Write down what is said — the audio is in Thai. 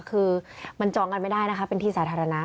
คือมันจองกันไม่ได้นะคะเป็นที่สาธารณะ